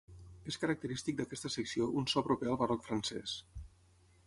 És característic d'aquesta secció un so proper al barroc francès.